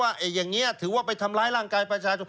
ข้อ๗เนี่ยแข่งเงี้ยที่ถือว่าไปทำร้ายร่างกายประชาชน